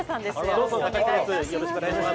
よろしくお願いします。